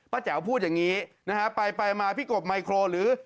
ป้าแจ๋วพูดอย่างนี้ไปมาพี่กบไมโครหรือ